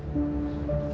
ini adalah tempat terlepas